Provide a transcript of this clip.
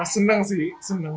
senang sih senang